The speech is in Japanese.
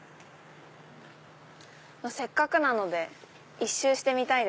せっかくなので１周してみたい。